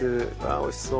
おいしそう。